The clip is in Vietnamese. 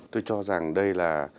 tôi cho rằng đây là